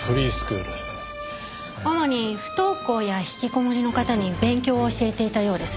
主に不登校や引きこもりの方に勉強を教えていたようです。